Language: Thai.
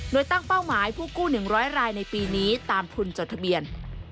โดยตั้งเป้าหมายผู้กู้๑๐๐รายในปีนี้ตามทุนจดทะเบียน